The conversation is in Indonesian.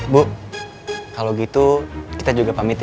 bu kalau gitu kita juga pamit